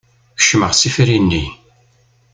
Kecmeɣ s ifri-nni.